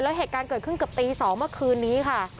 แล้วเหตุการณ์เกิดขึ้นเกือบตี๒เมื่อคืนนี้ค่ะ